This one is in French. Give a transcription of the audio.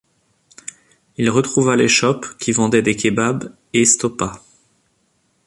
Il retrouva l’échoppe qui vendait des kebabs et stoppa.